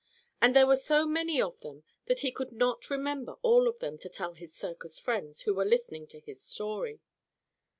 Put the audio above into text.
And there were so many of them that he could not remember all of them to tell his circus friends who were listening to his story.